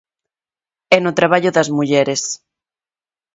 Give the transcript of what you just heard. E no traballo das mulleres.